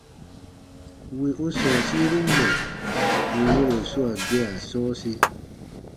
Wì u sɔ̃ɔsiru mɔ̀ ù yɛ̃ro swaa gea sɔ̃ɔsi.